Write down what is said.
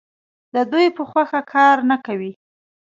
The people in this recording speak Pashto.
د دوی په خوښه کار نه کوي.